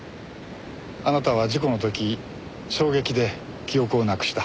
あなたは事故の時衝撃で記憶をなくした。